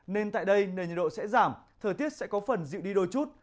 nên tại đây nền nhiệt độ sẽ giảm thời tiết sẽ có phần dịu đi đôi chút